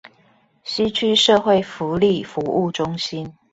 西區社會福利服務中心